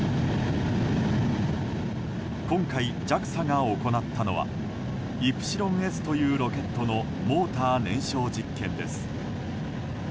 今回ＪＡＸＡが行ったのはイプシロンＳというロケットのモーター燃焼実験です。